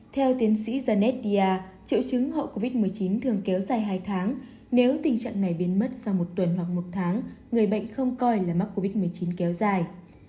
theo tiến sĩ genetia triệu chứng hậu covid một mươi chín thường kéo dài hai tháng nếu tình trạng này biến mất sau một tuần hoặc một tháng người bệnh không coi là mắc covid một mươi chín kéo dài